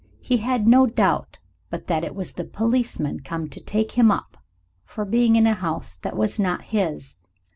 He had no doubt but that it was the policeman come to "take him up" for being in a house that was not his.